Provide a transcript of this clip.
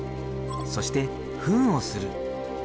そして糞をする。